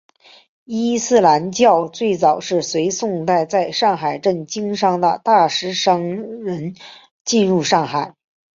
伊斯兰教最早是随宋代在上海镇经商的大食商人进入上海。